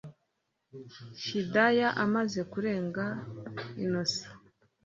hidaya amaze kurenga innocent